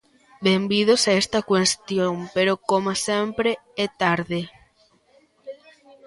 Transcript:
Benvidos a esta cuestión, pero, coma sempre, é tarde.